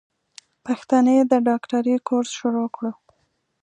پښتنې د ډاکټرۍ کورس شروع کړو.